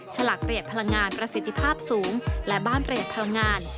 ฉลากเปลี่ยนพลังงานประสิทธิภาพสูงและบ้านเปลี่ยนพลังงาน